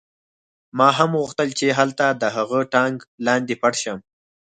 ما هم غوښتل چې هلته د هغه ټانک لاندې پټ شم